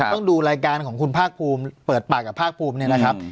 ต้องดูรายการของคุณภาคภูมิเปิดปากกับภาคภูมิเนี่ยนะครับ